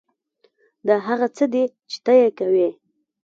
دا هغه څه دي چې ته یې کوې